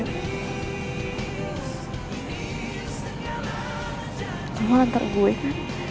kamu nantar gue kan